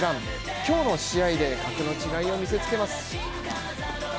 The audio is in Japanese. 今日の試合で格の違いを見せつけます。